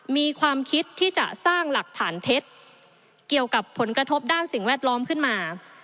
มีความคิดที่จะสร้างหลักฐานเท็จเกี่ยวกับผลกระทบด้านสิ่งแวดล้อมขึ้นมา